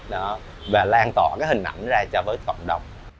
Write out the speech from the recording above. đó và lan tỏa cái hình ảnh ra cho với cộng đồng